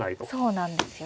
そうなんですよ。